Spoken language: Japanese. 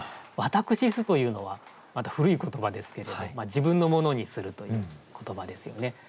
「私す」というのはまた古い言葉ですけれど自分のものにするという言葉ですよね。